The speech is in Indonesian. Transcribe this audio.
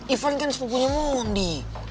ivan kan sepupunya mondi